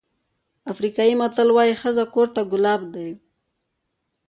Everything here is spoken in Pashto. افریقایي متل وایي ښځه کور ته ګلاب دی.